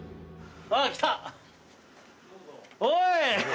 おい。